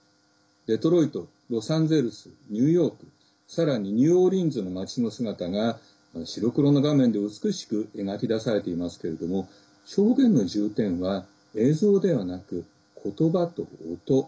デトロイト、ロサンゼルスニューヨークさらに、ニューオーリンズの町の姿が白黒の画面で美しく描き出されていますけども表現の重点は映像ではなくことばと音。